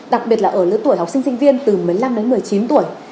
đặc biệt là ở lứa tuổi học sinh sinh viên từ một mươi năm đến một mươi chín tuổi